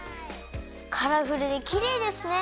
カラフルできれいですね。